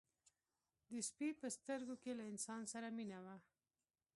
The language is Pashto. د سپي په سترګو کې له انسان سره مینه وه.